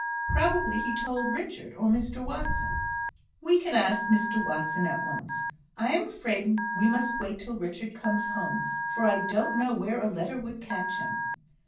"Probably he told Richard, or Mr Watson." "We can ask Mr Watson at once. I am afraid we must wait till Richard comes home, for I don't know where a letter would catch him."